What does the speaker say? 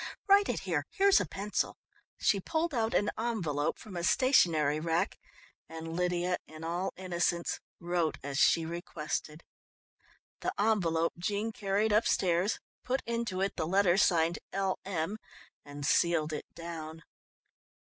"Write it here. Here is a pencil." She pulled out an envelope from a stationery rack and Lydia, in all innocence, wrote as she requested. The envelope Jean carried upstairs, put into it the letter signed "L. M.," and sealed it down.